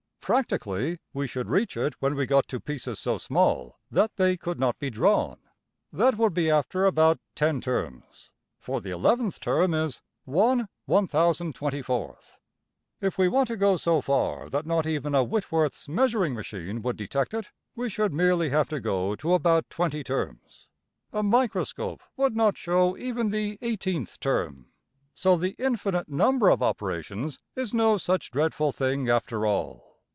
Practically we should reach it when we got to pieces so small that they could not be drawn that would be after about $10$~terms, for the eleventh term is~$\frac$. If we want to go so far that not even a Whitworth's measuring machine would detect it, we should merely have to go to about $20$~terms. A microscope would not show even the $18^{\text{th}}$~term! So the infinite number of operations is no such dreadful thing after all.